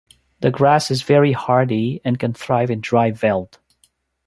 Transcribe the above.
The grass is very hardy and can thrive in dry veld.